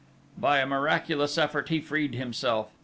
By a miraculous effort he freed himself.